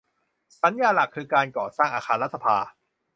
สัญญาหลักคือการก่อสร้างอาคารรัฐสภา